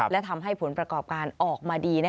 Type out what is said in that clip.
และทำให้ผลประกอบการออกมาดี